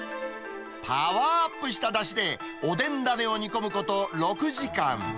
パワーアップしただしで、おでん種を煮込むこと６時間。